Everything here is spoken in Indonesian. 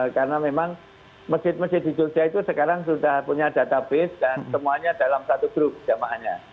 karena memang masjid masjid di jogja itu sekarang sudah punya database dan semuanya dalam satu grup jamaahnya